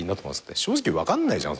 正直分かんないじゃん